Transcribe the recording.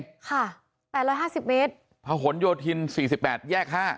ค่ะแปดร้อยห้าสิบเมตรพะหนโยธินสี่สิบแปดแยกห้า